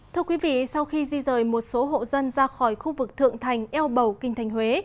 thưa quý vị sau khi di rời một số hộ dân ra khỏi khu vực thượng thành eo bầu kinh thành huế